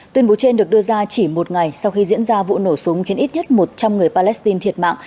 tuyên bố trên được đưa ra chỉ một ngày sau khi diễn ra vụ nổ súng khiến ít nhất một trăm linh người palestine thiệt mạng